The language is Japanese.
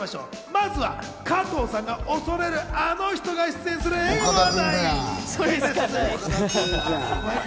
まずは加藤さんが恐れるあの人が出演する映画の話題。